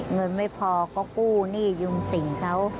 เงินไม่พอก็กู้หนี้ยุงสิ่งเขา